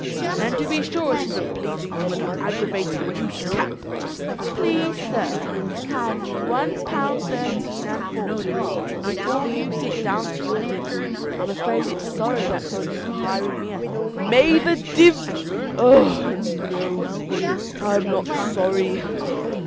"And to be sure it isn't pleasing to me, you aggravating goose cap!" "Please, sir, hand me one pound thirteen and four pence before you sit down to your dinner. I'm afraid it's sorrow that's on you for hiring me at all." "May the div oh no; I'm not sorry.